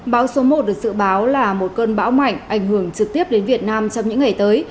bão số một được dự báo là một cơn bão mạnh ảnh hưởng trực tiếp đến việt nam trong những ngày tới